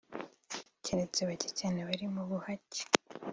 Keretse bake cyane bari mu buhake